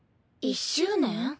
１周年？